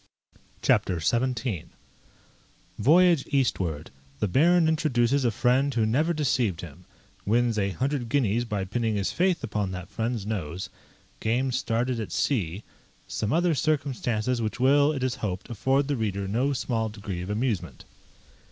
CHAPTER XVII _Voyage eastward The Baron introduces a friend who never deceived him: wins a hundred guineas by pinning his faith upon that friend's nose Game started at sea Some other circumstances which will, it is hoped, afford the reader no small degree of amusement.